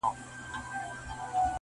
هم غښتلی ښکرور وو تر سیالانو -